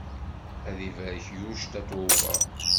Ad ibarek yuc Tatoeba.